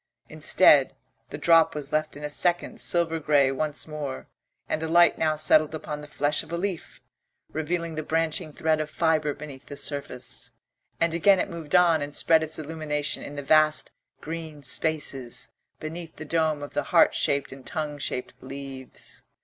Instead, the drop was left in a second silver grey once more, and the light now settled upon the flesh of a leaf, revealing the branching thread of fibre beneath the surface, and again it moved on and spread its illumination in the vast green spaces beneath the dome of the heart shaped and tongue shaped leaves.